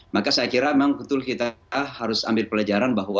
maka saya kira memang betul kita harus ambil pelajaran bahwa